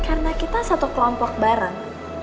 karena kita satu kelompok bareng